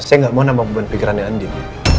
saya gak mau nambah pembuatan pikirannya andin